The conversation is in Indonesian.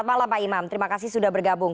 selamat malam pak imam terima kasih sudah bergabung